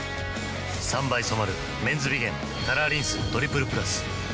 ３倍染まる「メンズビゲンカラーリンストリプルプラス」